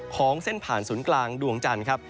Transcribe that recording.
ของเส้นผ่านศูนย์กลางดวงจันทร์ครับ